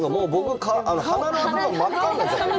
鼻の頭真っ赤になって。